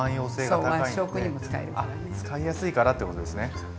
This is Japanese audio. あ使いやすいからってことですね。